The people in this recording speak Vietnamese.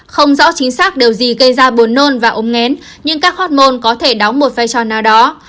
không rõ chính xác điều gì gây ra bùn nôn và ốm ngén nhưng các hormone có thể đóng một vai trò nào đó